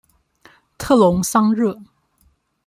特龙桑热。